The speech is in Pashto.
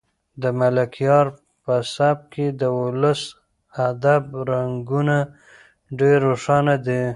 د ملکیار په سبک کې د ولسي ادب رنګونه ډېر روښانه دي.